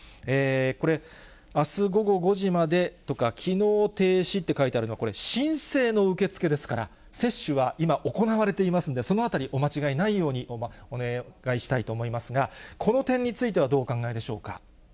これ、あす午後５時までとか、きのう停止って書いてあるのは、これは申請の受け付けですから、接種は今、行われていますんで、そのあたり、お間違えないようにお願いしたいと思いますが、この点についてはどうお考えでしょうか。